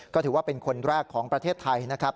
ก็ถือว่าเป็นคนแรกของประเทศไทยนะครับ